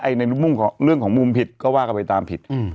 ในมุมเรื่องของมุมผิดก็ว่ากันไปตามผิด